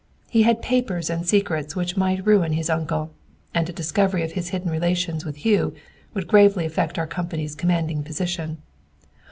He had papers and secrets which might ruin his uncle, and a discovery of the hidden relations with Hugh would gravely affect our company's commanding position.